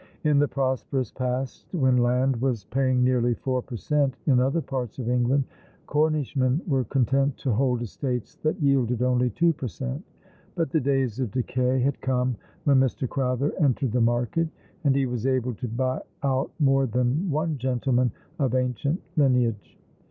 In the prosperous past, when land was paying nearly four per cent, in other parts of England, Cornishmen w^ere content to hold estates that yielded only two per cent, ; but the days of decay had come when Mr. Crowther entered the market, and he was able to buy out more than one gentleman of ancient lineage.